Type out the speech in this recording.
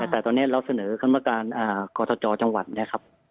แต่ตอนนี้เราเสนอคณะกรรมการกฎาจอร์จังหวัดเนี่ยครับ